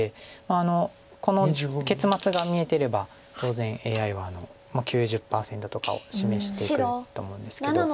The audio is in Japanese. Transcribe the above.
この結末が見えてれば当然ＡＩは９０％とかを示してくると思うんですけど。